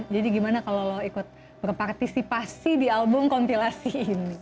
jadi gimana kalau lo ikut berpartisipasi di album kompilasi ini